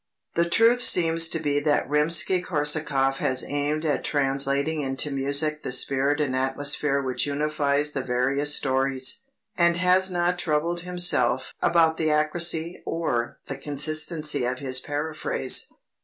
The truth seems to be that Rimsky Korsakoff has aimed at translating into music the spirit and atmosphere which unifies the various stories, and has not troubled himself about the accuracy or the consistency of his paraphrase.